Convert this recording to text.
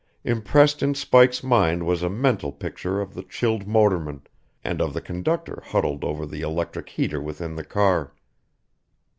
Impressed in Spike's mind was a mental picture of the chilled motorman, and of the conductor huddled over the electric heater within the car.